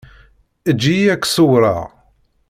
Eǧǧ-iyi ad k-ṣewwreɣ.